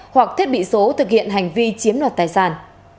hoặc thiết bị số thực hiện hành vi chiếm đoạt tài sản